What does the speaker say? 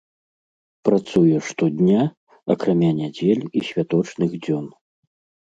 Працуе штодня, акрамя нядзель і святочных дзён.